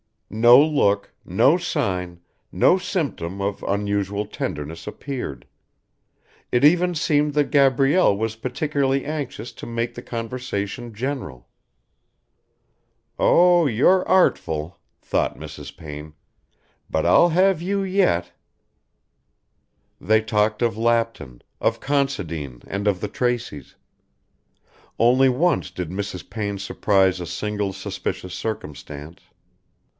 No look, no sign, no symptom of unusual tenderness appeared. It even seemed that Gabrielle was particularly anxious to make the conversation general. "Oh, you're artful!" thought Mrs. Payne, "but I'll have you yet." They talked of Lapton, of Considine and of the Traceys. Only once did Mrs. Payne surprise a single suspicious circumstance.